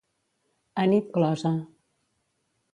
A nit closa.